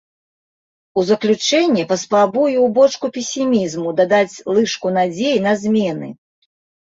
У заключэнне паспрабую ў бочку песімізму дадаць лыжку надзей на змены.